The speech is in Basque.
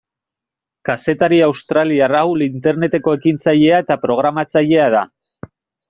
Kazetari australiar hau Interneteko ekintzailea eta programatzailea da.